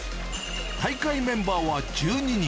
大会メンバーは１２人。